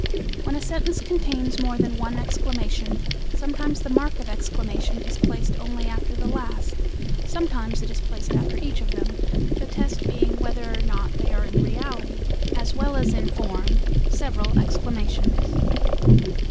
When a sentence contains more than one exclamation, sometimes the mark of exclamation is placed only after the last, sometimes it is placed after each of them, the test being whether or not they are in reality, as well as in form, several exclamations.